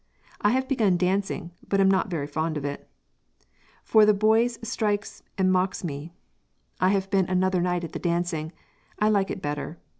I have begun dancing, but am not very fond of it, for the boys strikes and mocks me. I have been another night at the dancing; I like it better.